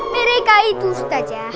mereka itu ustaz ya